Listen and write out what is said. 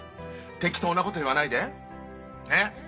適当なこと言わないでねっ。